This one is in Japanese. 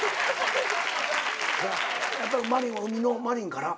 やっぱり真凜は海のマリンから？